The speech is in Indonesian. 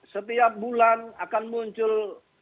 setiap bulan akan muncul